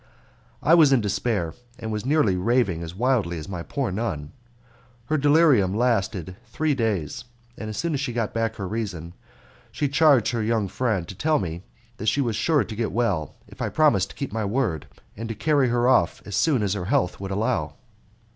I was in despair, and was nearly raving as wildly as my poor nun. Her delirium lasted three days, and as soon as she got back her reason she charged her young friend to tell me that she was sure to get well if I promised to keep to my word, and to carry her off as soon as her health would allow.